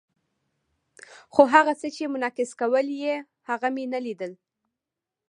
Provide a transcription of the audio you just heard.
خو هغه څه چې منعکسول یې، هغه مې نه لیدل.